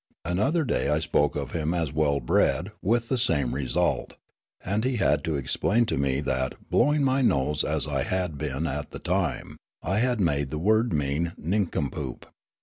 Another day I spoke of him as " well bred," with the same result ; and he had to explain to me that, blowing my nose as I had been at the time, I had made the word mean " nincompoop."